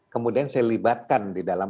kemudian saya libatkan di dalam